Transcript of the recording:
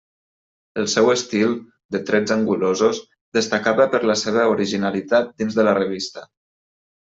El seu estil, de trets angulosos, destacava per la seua originalitat dins de la revista.